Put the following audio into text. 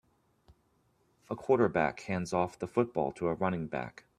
A quarterback hands off the football to a running back.